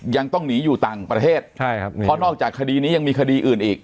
ยังต้องหนีอยู่ต่างประเทศใช่ครับนี่เพราะนอกจากคดีนี้ยังมีคดีอื่นอีก